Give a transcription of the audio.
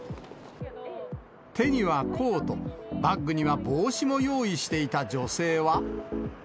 手にはコート、バッグには帽子も用意していた女性は。